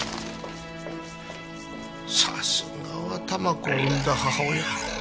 さすがは珠子を生んだ母親。